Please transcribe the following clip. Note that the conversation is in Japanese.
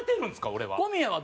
俺は。